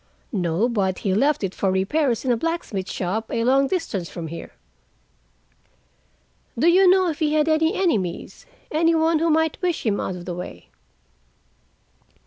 "No, but he left it for repairs in a blacksmith shop, a long distance from here. Do you know if he had any enemies? Any one who might wish him out of the way?"